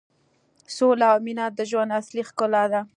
سوله او مینه د ژوند اصلي ښکلا ده.